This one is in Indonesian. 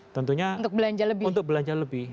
tentunya untuk belanja lebih